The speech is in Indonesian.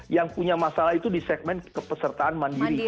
yang punya masalah itu di segmen kepesertaan mandiri